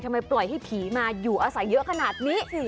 ปล่อยให้ผีมาอยู่อาศัยเยอะขนาดนี้